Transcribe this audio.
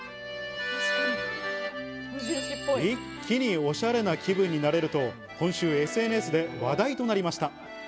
一気にオシャレな気分になれると今週ＳＮＳで話題となりました。